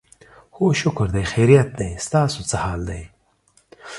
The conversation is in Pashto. هو شکر دی، خیریت دی، ستاسو څه حال دی؟